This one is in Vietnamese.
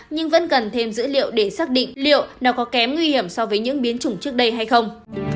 nhưng vẫn cần thêm dữ liệu để xác định liệu nó có kém nguy hiểm so với những biến chủng trước đây hay không